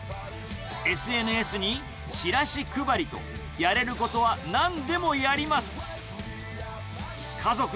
ＳＮＳにチラシ配りと、やれることはなんでもやります。